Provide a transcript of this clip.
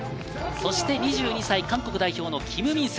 そして２２歳、韓国代表のキム・ミンス。